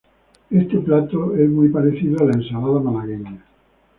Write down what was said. Este plato es muy parecido a la Ensalada malagueña.